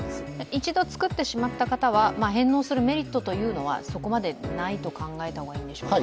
一度作ってしまった方は返納するメリットはそこまでないと考えた方がいいんでしょうか。